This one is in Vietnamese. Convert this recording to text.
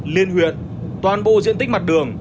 liên huyện toàn bộ diện tích mặt đường